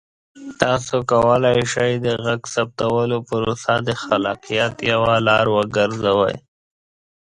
تاسو کولی شئ د غږ ثبتولو پروسه د خلاقیت یوه لاره وګرځوئ.